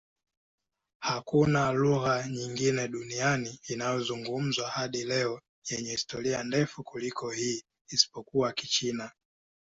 Hakuna lugha nyingine duniani inayozungumzwa hadi leo yenye historia ndefu kuliko hii, isipokuwa Kichina.